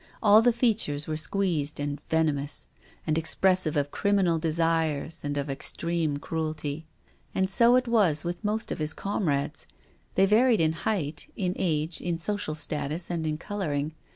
All the features were squeezed and venom'^s, and expressive of criminal desires and of extreme cruelty. And so it was with most of his comrades. They varied in height, in age, in social status and in colouring.